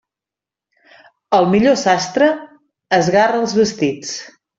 El millor sastre esgarra els vestits.